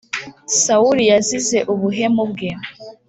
Sawuli yazize ubuhemu bwe.